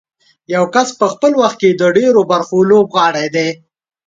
یو کس په خپل وخت کې د ډېرو برخو لوبغاړی دی.